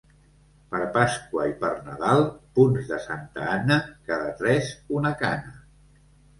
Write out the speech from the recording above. Per Pasqua i per Nadal, punts de Santa Anna, cada tres una cana.